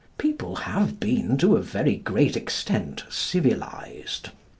People have been to a very great extent civilised.